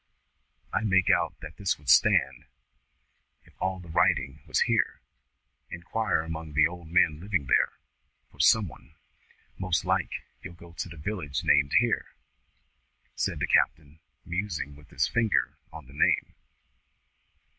"I make out that this would stand, if all the writing was here, 'Inquire among the old men living there, for' some one. Most like, you'll go to this village named here?" said the captain, musing, with his finger on the name.